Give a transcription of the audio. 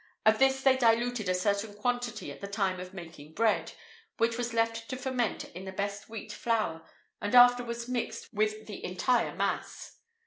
Of this they diluted a certain quantity at the time of making bread, which was left to ferment in the best wheat flour, and afterwards mixed with the entire mass.